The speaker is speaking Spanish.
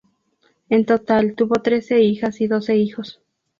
En total tuvo trece hijas y doce hijos.